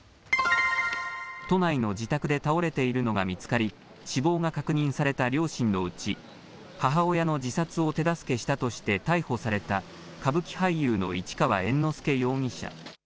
都内の自宅で倒れているのが見つかり死亡が確認された両親のうち母親の自殺を手助けしたとして逮捕された歌舞伎俳優の市川猿之助容疑者。